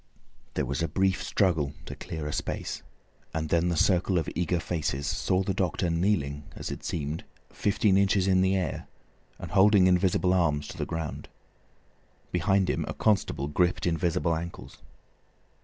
There was a brief struggle to clear a space, and then the circle of eager faces saw the doctor kneeling, as it seemed, fifteen inches in the air, and holding invisible arms to the ground. Behind him a constable gripped invisible ankles.